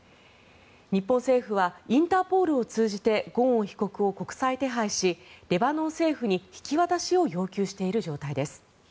日本政府はインターポールを通じてゴーン被告を国際手配しレバノン政府に引き渡しを要求している状態です。